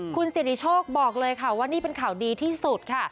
คุณสิริโชคบอกเลยค่ะว่านี่เป็นข่าวดีที่สุดค่ะ